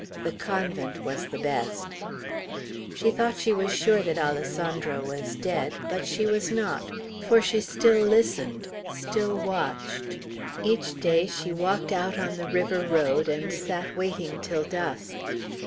The convent was the best. She thought she was sure that Alessandro was dead; but she was not, for she still listened, still watched. Each day she walked out on the river road, and sat waiting till dusk.